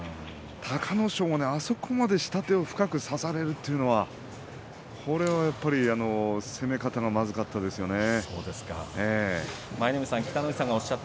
隆の勝はあそこまで下手を深く差されるというのはこれは攻め方がまずかったですね。